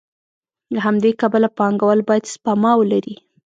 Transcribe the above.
له همدې کبله پانګوال باید سپما ولري